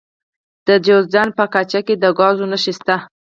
د جوزجان په اقچه کې د ګازو نښې شته.